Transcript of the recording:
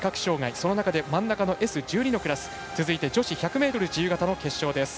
その中で真ん中のＳ１２のクラス。続いて女子１００ｍ自由形の決勝。